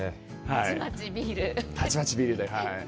たちまちビールで。